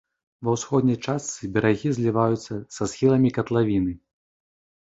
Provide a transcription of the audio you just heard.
Ва ўсходняй частцы берагі зліваюцца са схіламі катлавіны.